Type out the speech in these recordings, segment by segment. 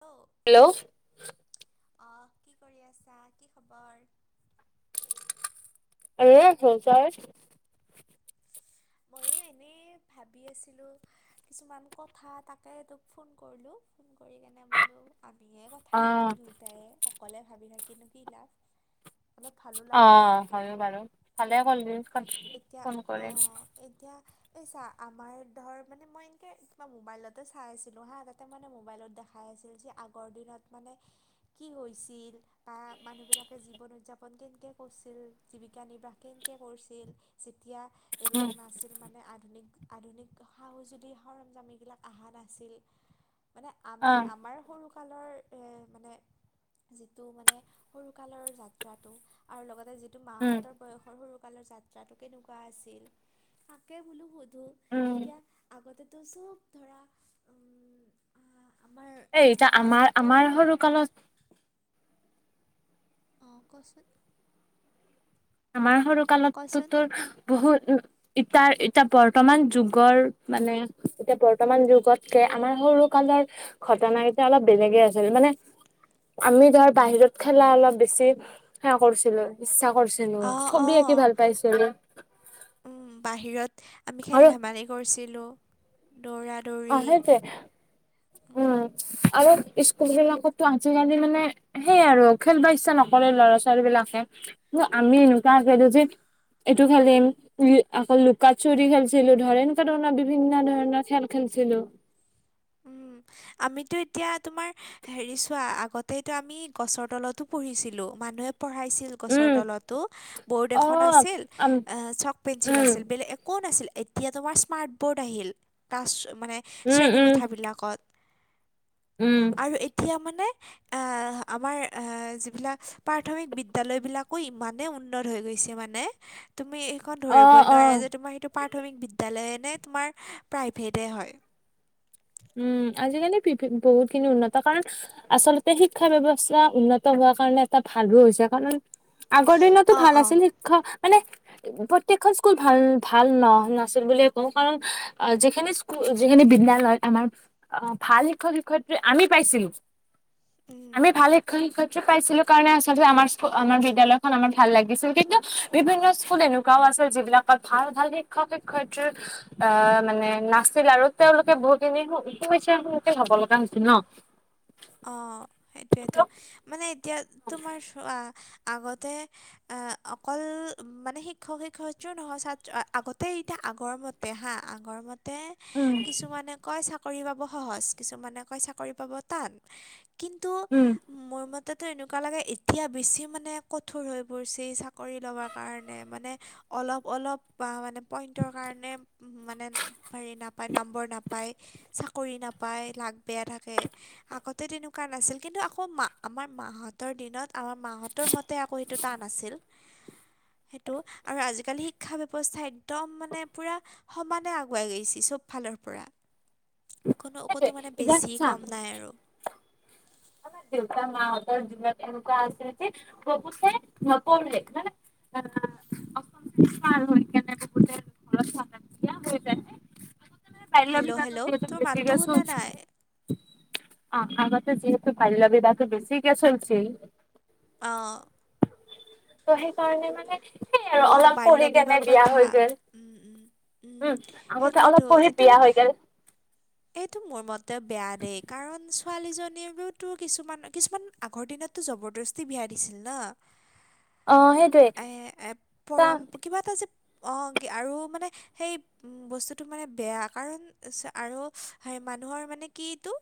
Hello hello অ' কি কৰি আছা, কি খবৰ? ভালে আছো, তই? ময়ো এনেই ভাবি আছিলোঁ কিছুমান কথা তাকে তোক ফোন কৰিলো ফোন কৰি কেনে বোলো আমিয়ে ক কথা পাতো দুয়টাইে অকলে ভাবি থাকিনো কি লাভ। অলপ ভালো লাগব অ' মনটো হয় বাৰু ভালে কৰলি এতিয়া ফোন কৰি। অঁ এতিয়া এই চা আমাৰ ধৰ মানে মই এনেকৈ কিবা মোবাইলতে চাই আছিলোঁ হাঁ তাতে ত মানে মোবাইলত দেখাই আছিল যে আগৰ দিনত মানে কি হৈছিল। বা মানুহবিলাকে জীৱন উদযাপন কেনেকৈ কৰিছিল, জীৱিকা নিৰ্বাহ কেনেকৈ কৰিছিল। যেতিয়া উম এইবিলাক নাছিল মানে আধুনিক আধুনিক সাহু যদি সৰঞ্জামীবিলাক অহা নাছিল। মানে অ আমি আমাৰ সৰু কালৰ মানে যিটো মানে সৰুকালৰ যাত্ৰাটো আৰু লগতে যিটো উম মাহঁতৰ বয়সৰ সৰুকালৰ যাত্ৰা যাটো কেনেকুৱা আছিল তাকে বোলো সোধো উম এতিয়া আগতেতো চব ধৰা এই আমাৰ এতিয়া আমাৰ আমাৰ মাহঁতৰো সৰু কালত অ', কচোন আমাৰ সৰু কচোন কালততোৰ বহুত উ ইতাৰ এতিয়া বৰ্তমান যুগৰ মানে এতিয়া বৰ্তমান যুগতকে আমাৰ সৰু কালৰ ঘটনা কেইটা অলপ বেলেগে আছিল মানে আমি ধৰ বাহিৰত খেলা অলপ বেছি সেৱ কৰিছিলো ইচ্ছা কৰিছিলো অঁ তে ছবি অঁ আঁকি ভাল পাইছিলোঁ। উম বাহিৰত আমি আৰু খেল ধেমালি কৰিছিলোঁ দৌৰাত আহতে [unintelligible] আ [unintelligible] আৰু স্কুল বিলাকতো আজিকালি মানে সেইয় আৰু খেলবা ইচ্ছা নকৰে ল'ৰা ছোৱালী ছোৱালীবিলাকে কিন্ত আমি এনেকুৱা [unintelligible] যে এইটো খেলিম [unintelligible] আকৌ লুকা চুৰি খেলছিলো ধৰ এনেকুৱা ধৰণৰ বিভিন্ন ধৰণৰ খেল খেলছিলো। উম। আমিতো এতিয়া তোমাৰ হেৰি চোৱা আগতেতো আমি গছৰ তলতো পঢ়িছিলোঁ মানুহে পঢ়াইছিল গছৰ উম তলতো ব'ৰ্ড অ এখন আছিল উম এ চক পেঞ্চিল উম আছিল বেলেগ একো কোন আছিল এতিয়া তোমাৰ স্মাৰ্ট বৰ্ড আহিল ক্লাছ মানে উম শ্ৰেণী কো উম বিলাকত উম আৰু এতিয়া মানে এ আমাৰ এ যিবিলাক প্ৰাথমিক বিদ্যালয়বিলাকো ইমানেই উন্নত হৈ গৈছে মানে তুমি এখন অ ধৰিবই অ নোৱাৰে যে তোমাৰ সেইটো প্ৰাথমিক বিদ্যালয়ে নে তোমাৰ প্ৰাইভেটেই হয় উম আজিকালি বিভি বহুতখিনি উন্নত কাৰণ আচলতে শিক্ষা ব্যৱস্থা উন্নত হোৱাৰ কাৰণে এটা ভালো হৈছে কাৰণ আগৰ দিনতো অঁ ভাল অঁ আছিল শিক্ষা মানে প্ৰত্যেকখন স্কুল ভাল ভাল ন নাছিল বুলিয়ে কওঁ কাৰণ অ', যিখিনি স্কুল যিখিনি বিদ্যালয় আমাৰ অ', ভাল শিক্ষক শিক্ষয়িত্ৰী আমি পাইছিলো উম, আমি ভাল শিক্ষক শিক্ষয়িত্ৰী পাইছিলো কাৰণে আচলতে আমাৰ স্কুল আমাৰ বিদ্যালয়খন আমাৰ ভাল লাগিছিল কিন্তু বিভিন্ন স্কুল এনেকু গাওঁ আছে যিবিলাকত ভাল, ভাল শিক্ষক শিক্ষয়িত্ৰী আএ মানে নাছিল আৰু তেওঁলোকে বহুতখিনি সমস্যা সন্মুখীন হ'ব লগা হৈছিল ন। অ', সেইটোৱেতো মানে এতিয়া তোমাৰ চোৱা আগতে আহ অকল মানে শিক্ষক শিক্ষয়িত্ৰীও নহয় ছাত্ৰ আগতে এতিয়া আগৰ মত পেহা আগৰমত তে উম কিছুমানে কয় চাকৰি পাব সহজ কিছুমানে কয় চাকৰি পাব টান। কিন্তু উম মোৰ মতেতো এনেকুৱা লাগে এতিয়া বেছি মানে কঠোৰ হৈ পৰিছে এই চাকৰি ল'বৰ কাৰণে মানে অলপ অলপ বা মানে পইণ্টৰ কাৰণে মানে হেৰি নাপায় নম্বৰ নাপায় চাকৰি নাপ প্ৰায় লাগ বেয়া থাকে আগতে তেনেকুৱা নাছিল কিন্তু আকৌ মা আমাৰ মাহঁতৰ দিনত আমাৰ মাহঁতৰ মতে আকৌ সেইটো টান নাছিল। সেইটো আৰু আজিকালি শিক্ষা ব্যৱস্থা একদম মানে পুৰা সমানে আগুৱাই গৈছি চব ফালৰ পৰা। কোনো সেইটোৱে কতো মানে এতিয়া বেছি চা কম নাই আৰু। আমাৰ দেউতা-মাহতঁৰ দিনত এনেকুৱা আছিলে যে ববুচে নপঢ়িলে নে [unintelligible] অ [inaudible] ভাল হৈ কেনে বুতে ঘ ভালিয় হৈ যনে [inaudible] [inaudible] হেল্ল' হেল্ল' তোৰ মাতটো শুনা নাই অ আগতে যিহেতু পাল [unintelligible] লাগ তো বেছি কে চলছিল অ, ত সেইকাৰণে মানে সেই আৰু অ', অলপ বাল্য পঢ়ি বিবাহ কেনে বিয়া প্ৰথা হৈ গেল উম, উম। উম আগতে সেইটোৱেতো অলপ পঢ়ি এইটো বিয়া হৈ গেল, এইটো মোৰ মতে বেয়া দেই কাৰণ ছো ছোৱালীজনীলৈওতো কিছুমান কিছুমান আগৰ দিনততো জবৰদস্তি বিয়া দিছিল ন অ সেইটোয়ে এ এ ত পৰম কিবা এটা যে অ, কি আৰু মানে সেই বস্তুটো মানে বেয়া কাৰণ [inaudible] আৰু হয় মানুহৰ মানে কি এইটো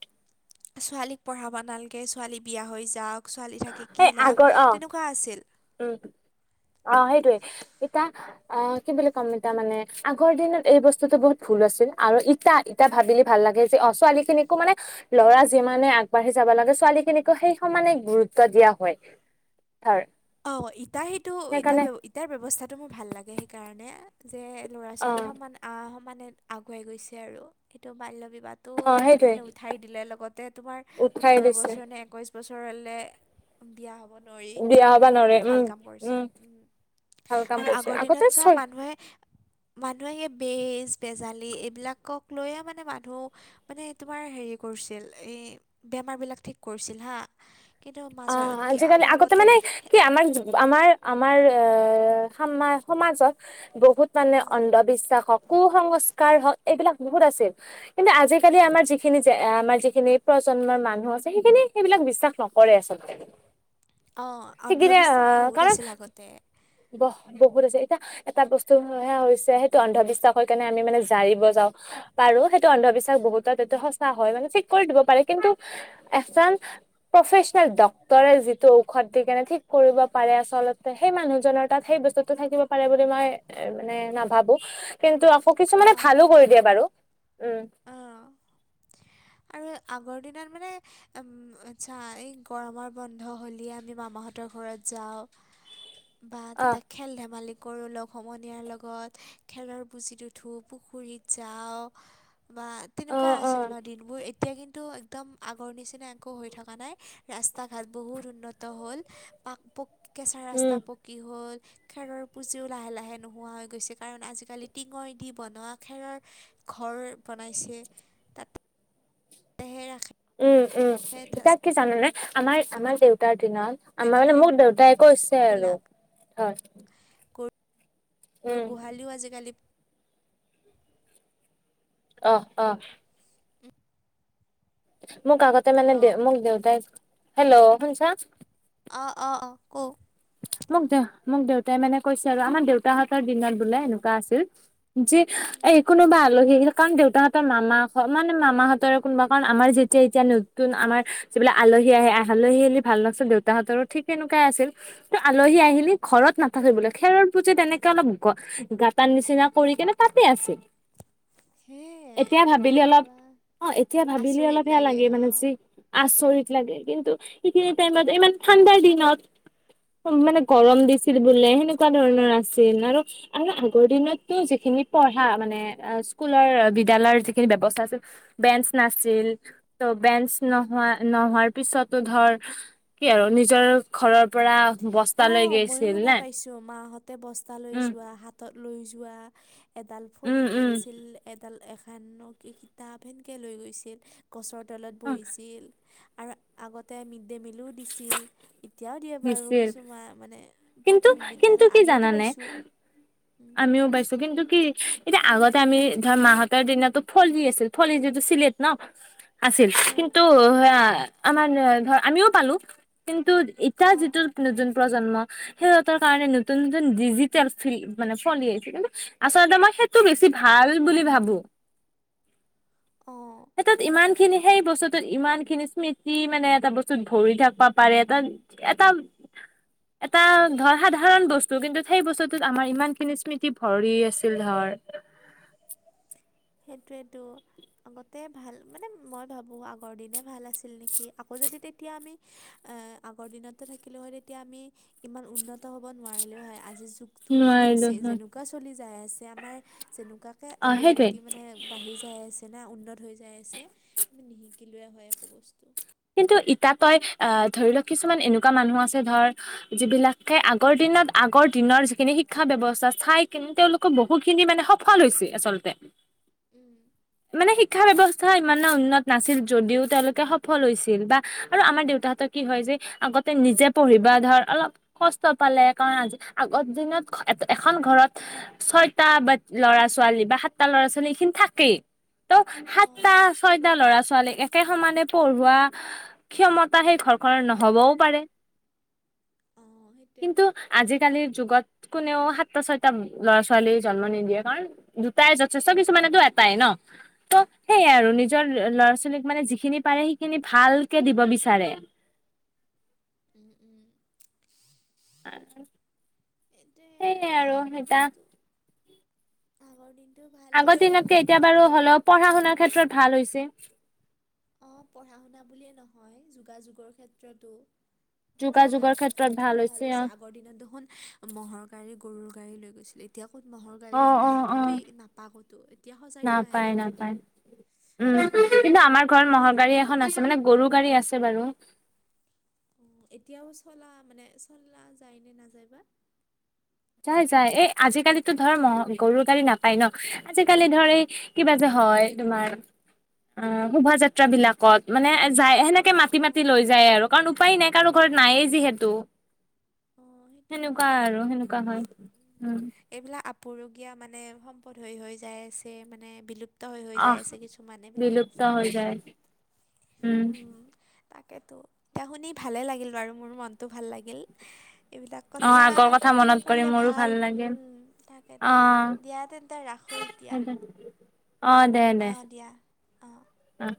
ছোৱালীক পঢ়াবা নালাগে ছোৱালী বিয়া হৈ যাওক, ছোৱালী থাকি সেই কি লাভ, আগৰ অ তেনেকুৱা আছিল। উম অ', সেইটোৱে এতিয়া অ', কি বুলি ক'ম এতা মানে, আগৰ দিনত এই বস্তুতটো বহুত ভুল আছিল আৰু এটা ইতটা ভাবিলে ভাল লাগে যে অ', ছোৱালীখিনিকো মানে ল'ৰা যিমানে আগবাঢ়ি যাব লাগে ছোৱালীখিনিকো সেই সমানে গুৰুত্ব দিয়া হয়, তাৰ অ', ইতাৰ সেইটো ইাৰ ইটাৰ ব্যৱস্থাটো মোৰ ভাল লাগে সেইকাৰণে। যে ল'ৰা অ ছোৱালী সমান সমানে আগুৱাই গৈছে আৰু এইটো বাল্য বিবাহ তো অ সেইটোৱে মানে উঠাই দিলে লগতে তোমাৰ উৎসাহ ওঠৰ দিছে বছৰ নে একৈছ বছৰলে বিয়া হ'ব নোৱাৰিটো। বিয়া হবা এইটো নৰে উম ভাল কাম কৰিছে। উম ভাল কাম আৰু কৰিছে আগৰ আগতে দিনত চোৱা ছয় মানুহে মানুহে এই বেজ বেজালী এইবিলাকক লৈয়ে মানে মানুহ মানে তোমাৰ হেৰি কৰিছিল এই বেমাৰবিলাক ঠিক কৰিছিল হা কিন্তু মাজৰ অ', কি আজিকালি আকৌ আগতে মানে কি আমাৰ আমাৰ আমাৰ এ সমা সমাজত বহুত মানে অঁ অন্ধবিশ্বাসক কু সংস্কাৰ হওঁক এইবিলাক বহুত আছিল কিন্তু আজিকালি আমাৰ যিখিনি আমাৰ যিখিনি প্ৰজন্মৰ মানুহ আছে সেইখিনি সেইবিলাক বিশ্বাস নক কৰে আছলতে। অ', অন্ধবিশ্বাস বহুত কাৰণ আছিল আগতে। বহ বহুত আছে এতিয়া এটা বস্তু সেয়া হৈছে সেইটো অন্ধবিশ্বাসৰ কাৰণে আমি মানে জাৰিব যাওঁ পাৰো সেইটো অন্ধবিশ্বাস বহুতত সঁচা হয় মানে ঠিক কৰি দিব পাৰে কিন্তু এচাম প্ৰফেচনেল ডক্তৰে যিটো ঔষধ দি কেনে ঠিক কৰিব পাৰে আচলতে সেই মানুহ জনৰ তাত সেই বস্তুটো থাকিব পাৰে বুলি মই এ মানে নাভাবো কিন্তু আকৌ কিছুমানে ভালো কৰি দিয়ে বাৰু, উম। অ', আৰু আগৰ দিনত মানে উম আচ্ছা এই গৰমৰ বন্ধ হ'লিয় আমি মামাহঁতৰ ঘৰত যাওঁ। বাদ অ তক খেল ধেমালি কৰোঁ লগ সমনীয়াৰ লগত খেলৰ বুছিত উঠো, পুখুৰীত যাওঁ বা অ তেনেকুৱা অ আছিল ন' দিনবোৰ এতিয়া কিন্তু একদম আগৰ নিচিনা আকৌ হৈ থকা নাই ৰাস্তা ঘাট বহুত উন্নত হ'ল পাক কেঁচা উম ৰাস্তা পকী হ'ল খেৰৰ পুঁজিও লাহে লাহে নোহোৱা হৈ গৈছে কাৰণ আজিকালি টিঙৰ দি বনোৱা খেৰৰ ঘৰ বনাইছে। [inaudible] ৰাখে উম উম, ঠাচ- তাক কি জানানে আমাৰ আমাৰ দেউতাৰ দিনত আমাৰ মানে মোৰ দেউতাই কৈছে আৰু, খেৰবিলাক হয় গৰু উম গোহালিও আজিকালি অহ অ'। উম। মোক আগতে মানে হেল্ল' দে মোক দেউতাই, হেল্ল' শুনছা? অ', অ', অ', কওক। মোক দে মোক দেউতাই মানে কৈছে আৰু আমাৰ দেউতাহঁতৰ দিনত বোলে এনেকুৱা আছিল। যি এ উম কোনোবা আলহি আহিলে কাৰণ দেউতাহঁতৰ মামা মানে মামাহঁতৰ কোনোবা কাৰণ আমাৰ যেতিয়া এতিয়া নতুন আমাৰ যিবিলাক আলহী আহে আলহী আহিলে ভাল লকচোন দেউতাহঁতৰো ঠিক তেনেকুৱাই আছিল। টো আলহী আহিলি উম ঘৰত নাথাকে বোলে। খেৰৰ পুঁজি তেনেকে অলপ গ-গাঁতাৰ নিচিনা কৰি কেনে তাতে আছিল। [inaudible] সেয়ে এতিয়া ভাবিলি অলপ বা অ', এতিয়া ভাবিলি আচৰিত অলপ সেয়া লাগে মানে অঁ যি আচৰিত লাগে কিন্তু সেইখিনি টাইমত ইমান ঠাণ্ডাৰ দিনত। মানে গৰম দিছিল বোলে সেনেকুৱা ধৰণৰ আছিল আৰু আৰু আগৰ দিনতো যিখিনি পঢ়া মানে স্কুলৰ বিদ্যালয় জিখিনি ব্যৱস্থা আছিল। বেঞ্চ নাছিল ত' বেঞ্চ নহোৱা-নহোৱাৰ পিছতো ধৰ কি আৰু নিজৰ ঘৰৰ পৰা বস্তা লৈ অ' ময়ো গৈছিল শুনা নে পাইছো মাহঁতে বস্তা লৈ উম যোৱা হাত তত লৈ যোৱা, এডাল উম ফুলি উম পিনচিল এডাল এস ধক কিতাপ সেনকৈ লৈ গৈছিল গছৰ তলত অ বহিছিল। আৰু আগতে মিড ডে মিলো দিছিল, এতিয়াও দি বাৰু দিছিল কিছুমান মানে কিন্তু প্ৰাথমিক কিন্তু বিদ্যালয় কি আমিওতো জানানে পাইছোঁ। উম, আমিও পাইছো কিন্তু কি এতিয়া আগতে আমি ধৰ মাহতৰ দিনো ফলি আছিল ফলি যিটো চছিলেট ন'। [unintelligible] আছিল অ', কিন্তু আমাৰ ধৰ আমিও পালো, কিন্তু এতিয়া অ', যিটো নতুন প্ৰজন্ম সিহঁতৰ কাৰণে নতুন নতুন ডিজিটেল ফিল মানে ফলি আহিছে কিন্তু আচলতে মই সেইটো বেছি ভাল বুলি ভাবো। অ'। হেটোত ইমান খিনি সেই বস্তুত ইমান খিনি স্মৃতি মানে এটা বস্তুত ভৰি থাকিবা পাৰে এটা এটা এটা ধৰ সাধাৰণ বস্তু কিন্তু সেই বস্তুটোত আমাৰ ইমান খিনি স্মৃতি ভৰি আছিল ধৰ। সেইটোৱেতো। আগতে ভাল মানে মই ভাবোঁ আগৰ দিনে ভাল আছিল নেকি, আকৌ যদি তেতিয়া আমি আগৰ দিনতে থাকিলেও হয় তেতিয়া আমি ইমান উন্নত হ'ব নোৱাৰিলেও হয় আজিৰ যুগ টো যুগ নোৱাৰিলো হয় যেনেকুৱা চলি যাই আছে আমাৰ তেনেকুৱাকে অ অগ্ৰগতি সেইটোৱে মানে বাঢ়ি যায় আছে না উন্নত হৈ যাই আছে, আমি নিশিকিলে হয় একো বস্তু। কিন্তু ইতাত তই আহ ধৰি লওক কিছুমান এনেকুৱা মানুহ আছে ধৰ যিবিলাকে আগৰ দিনত আগৰ দিনৰ যিখিনি শিক্ষা ব্যৱস্থা চাই কি তেওঁলোক কো বহুখিনি মানে সফল হৈছে আচলতে। উম, মানে শিক্ষা ব্যৱস্থা ইমানে উন্নত নাছিল যদিও তেওঁলোকে স স হৈছিল বা আৰু আমাৰ দেউতাহঁৰ কি হয় যে আগতে নিজে পঢ়িব ধৰ অলপ কষ্ট পালে কাৰণ আজি আগৰ দিনত এ-এখন ঘৰত ছয়টা বা ল'ৰা ছোৱালী বা সাতটা ল'ৰা ছোৱালী এইখিনি থাকেই। ত' অঁ সাতটা ছয়টা ল'ৰা ছোৱালীক একে সমানে পঢ়োৱা ক্ষমতা সেই ঘৰখনৰ নহবও পাৰে। অঁ কিন্তু সেইটোৱেতো আজিকালিৰ যুগত কোনেও সাতটা ছয়টা ল'ৰা ছোৱালীয়ে জন্ম নিদিয়ে কাৰণ দুটাই যথেষ্ট কিছুমানে দু এটাই ন'। ত' সেইয়াই আৰু অঁ নিজৰ ল'ৰা ছোৱালীক মানে যিখিনি পাৰে সেইখিনি ভালকে দিব বিচাৰে। উম উম। [unintelligible] এতে সেইয়াই আৰু আগৰ এতিয়া দিনটো। আগৰ দিনটো ভাল আগৰ দিনতকে আছিল এতিয়া বাৰু দিনত। হ'লেও পঢ়া শুনাৰ ক্ষেত্ৰত ভাল হৈছে। অ পঢ়া শুনা বুলিয়ে নহয় যোগাযোগৰ ক্ষেত্ৰতো। যোগাযোগৰ যাতায়াতৰ ক্ষেত্ৰত ক্ষেত্ৰতো ভাল অ হৈছে আগৰ দিনত দেখোন মহ'ৰ গাড়ী গৰুৰ গাড়ী লৈ গৈছিলে। এতিয়া ক'ত ম'হৰ গাড়ী অ' অ' দেখা পাবি অ' নাপা ক'তো এতিয়া সজাই থোৱাহে নাপায় দেখা নাপায় পাবি। উম কিন্তু সংগ্ৰাহালয়। আমাৰ ঘৰত ম'হৰ গাড়ী এখন আছে মানে গৰু গাড়ী আছে বাৰু। এতিয়াও চলা মানে চলা যায় নে নাযায় বা। যায় যায় এই আজিকালিতো ধৰ ম'হ গৰু গাড়ী নাপায় নহ আজিকালি ধৰ এই। কিবা যে হয় তোমাৰ অ শোভাযাত্ৰ ত্ৰা বিলাকত মানে যায় সেনেকে অঁ মাতি অঁ মাতি লৈ অঁ যায় আৰু। অঁ কাৰণ উপায় নাই কাৰো ঘৰত অঁ নাইয়ে যিহেতু অঁ সেইটো সেনেকুৱা হয় বাৰু আৰু সেনেক হয় উম। এইবিলাক আপুৰুগীয়া মানে সম্পদ হৈ হৈ যায় আছে মানে বিলুপ প্ত হৈ হৈ যায় আহ আছে কিছুমান এইবিলাক বিলুপ্ত বস্তু। হৈ যায় উম তাকেতো এতিয়া শুনি ভালেই লাগিল বাৰু মোৰ মনটো ভাল লাগিল। এইবিলাক অ কথা আগৰ কথা পাতিব মনত কৰি পাৰিলে মোৰো ভাল লাগিল উম অ তাকেটো দিয়া তেন্তে ৰাখোঁ। [unintelligible] [unintelligible] অ। দে দে অ দিয়া অ। অ